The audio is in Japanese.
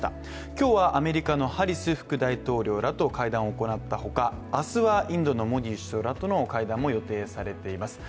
今日はアメリカのハリス副大統領らと会談を行ったほか、明日はインドのモディ首相らとの会談も予定されています。